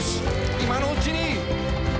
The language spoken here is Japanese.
今のうちに」